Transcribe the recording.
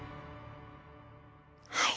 はい。